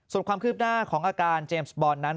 ส่วนความคืบหน้าของอาการเจมส์บอลนั้น